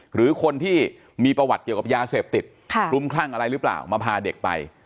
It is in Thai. หรือคนที่มีประวัติเกี่ยวกับยาเสพติดคลุ้มคลั่งอะไรหรือเปล่ามาพาเด็กไป